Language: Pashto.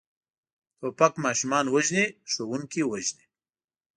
توپک ماشومان وژني، ښوونکي وژني.